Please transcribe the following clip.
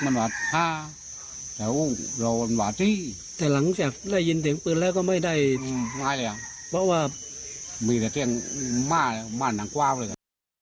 ไม่เลยเพราะว่ามีแต่เทียงม่าม่าหนังกว้างเลย